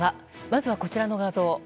まずは、こちらの画像。